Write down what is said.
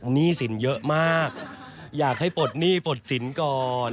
หนี้สินเยอะมากอยากให้ปลดหนี้ปลดสินก่อน